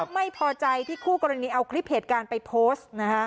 ไม่พอใจที่คู่กรณีเอาคลิปเหตุการณ์ไปโพสต์นะคะ